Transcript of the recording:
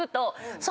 そう？